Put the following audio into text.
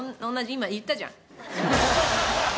今言ったじゃん。